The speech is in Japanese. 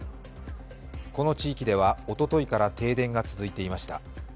この地域では、おとといから停電が続いていました。